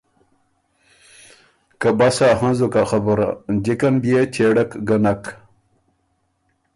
که بسا هںزُک ا خبُره، جِکن بيې چېړک ګه نک۔